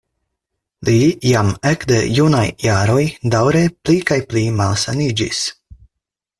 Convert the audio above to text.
Li jam ekde junaj jaroj daŭre pli kaj pli malsaniĝis.